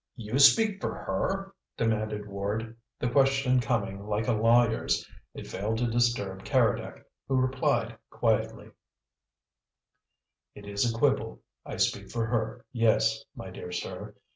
"You speak for her?" demanded Ward, the question coming like a lawyer's. It failed to disturb Keredec, who replied quietly: "It is a quibble. I speak for her, yes, my dear sir.